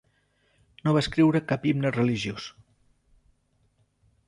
No va escriure cap himne religiós.